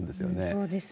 そうですね。